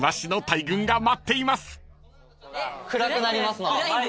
暗くなりますので。